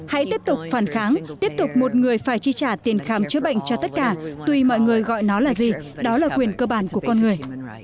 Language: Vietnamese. hãy tiếp tục phản kháng tiếp tục một người phải chi trả tiền khám chữa bệnh cho tất cả tuy mọi người gọi nó là gì đó là quyền cơ bản của con người